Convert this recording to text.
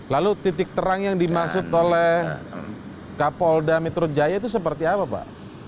lalu titik terang yang dimaksud oleh kapolda metro jaya itu seperti apa pak